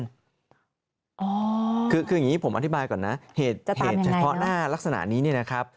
คืออย่างนี้ผมอธิบายก่อนนะเหตุเฉพาะหน้าลักษณะนี้เนี่ยนะครับ